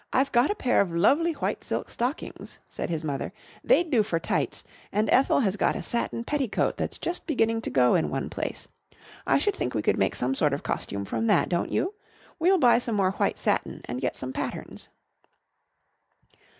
] "I've got a pair of lovely white silk stockings," said his mother. "They'd do for tights, and Ethel has got a satin petticoat that's just beginning to go in one place. I should think we could make some sort of costume from that, don't you? We'll buy some more white satin and get some patterns."